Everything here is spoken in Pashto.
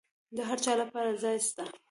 د هرچا لپاره ځای سته.